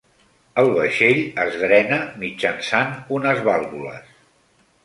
El vaixell es drena mitjançant unes vàlvules.